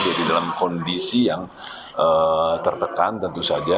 jadi dalam kondisi yang tertekan tentu saja